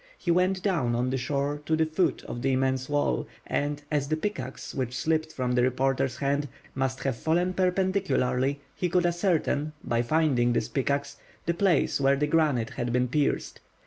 He went down on the shore to the foot of the immense wall, and, as the pickaxe, which slipped from the reporter's hands, must have fallen perpendicularly, he could ascertain, by finding this pickaxe, the place where the granite had been pierced.